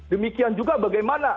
demikian juga bagaimana